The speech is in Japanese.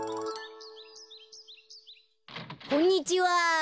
こんにちは。